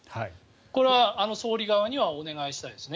これは総理側にはお願いしたいですね。